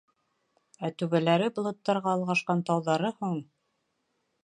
Ә түбәләре болоттарға олғашҡан тауҙары һуң?!